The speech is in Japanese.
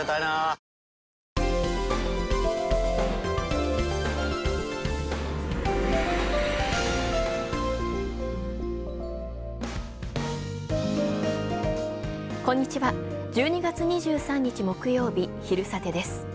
１２月２３日木曜日、「昼サテ」です。